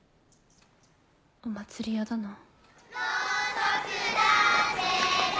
お祭りやだな。